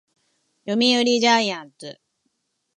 読売ジャイアンツ